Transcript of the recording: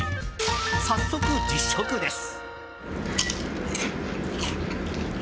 早速、実食です。